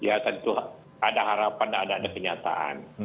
ya tentu ada harapan ada ada kenyataan